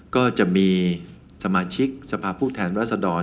ก็จะมีสมาชิกสภาพผู้แทนรัศดร